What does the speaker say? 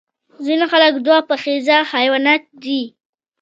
ځینې خلک دوه پښیزه حیوانات دي